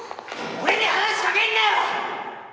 俺に話しかけんなよ！！